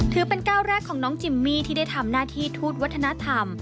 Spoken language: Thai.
ถือเป็นก้าวแรกของน้องจิมมี่ที่ได้ทำหน้าที่ทูตวัฒนธรรม